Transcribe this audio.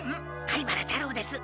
貝原太郎です